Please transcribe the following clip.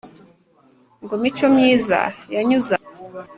ngo mico myiza yanyuze aha!